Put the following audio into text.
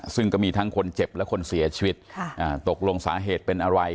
ซึ่งก็มีทั้งคนเจ็บและคนเสียชีวิตตกลงสาเหตุเป็นอะไร